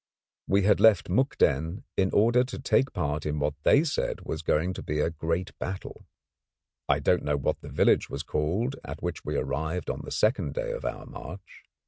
We had left Mukden in order to take part in what they said was going to be a great battle. I don't know what the village was called at which we arrived on the second day of our march.